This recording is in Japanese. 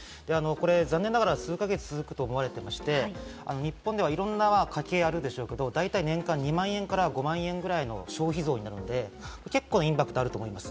残念ながら数か月続くと思われていまして、日本ではいろんな家計があるでしょうけど、２万円から５万円の消費増になるので結構インパクトがあると思います。